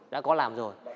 đã có làm rồi